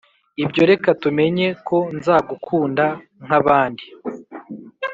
ibyo reka tumenye ko nzagukunda nkabandi.